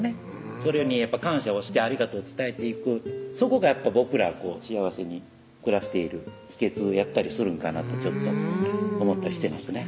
それに感謝をしてありがとうを伝えていくそこが僕ら幸せに暮らしている秘訣やったりするんかなとちょっと思ったりしてますね